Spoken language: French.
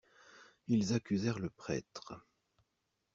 Ils accusèrent le prêtre.